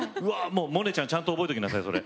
もう萌音ちゃんちゃんと覚えときなさいそれ。